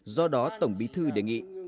do đó tổng bí thư đề nghị